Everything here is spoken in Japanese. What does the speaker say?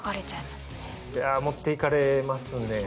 あ持っていかれますね。